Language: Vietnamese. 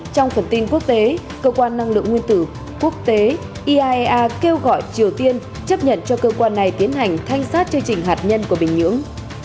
cơ quan năng lượng nguyên tử quốc tế iaea kêu gọi triều tiên chấp nhận cho cơ quan này tiến hành thanh sát chương trình hạt nhân của bình nhưỡng